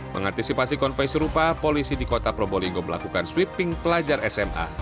mengantisipasi konvoi serupa polisi di kota probolinggo melakukan sweeping pelajar sma